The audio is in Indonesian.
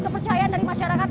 kepercayaan dari masyarakat